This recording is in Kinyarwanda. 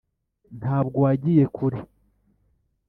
ntabwo wagiye kure